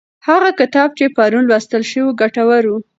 هغه کتاب چې پرون ولوستل شو ګټور و.